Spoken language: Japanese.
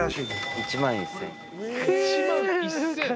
１万１，０００円。